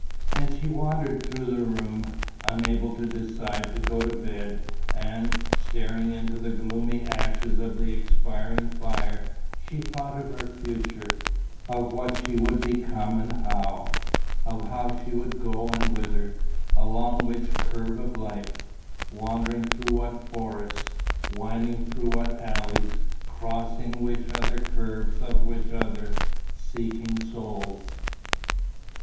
And she wandered through the room, unable to decide to go to bed, and, staring into the gloomy ashes of the expiring fire, she thought of her future, of what she would become and how, of how she would go and whither, along which curve of life, wandering through what forests, winding through what alleys, crossing which other curves of which other, seeking souls....